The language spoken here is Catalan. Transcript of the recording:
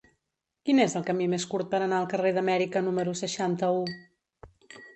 Quin és el camí més curt per anar al carrer d'Amèrica número seixanta-u?